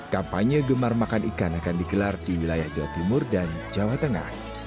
kampanye gemar makan ikan akan digelar di wilayah jawa timur dan jawa tengah